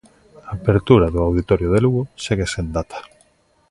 A apertura do auditorio de Lugo segue sen data.